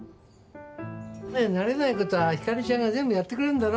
慣れない事はひかりちゃんが全部やってくれるんだろ？